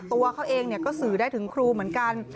ตัวเขาเองก็สื่อได้ถึงครูเหมือนกัน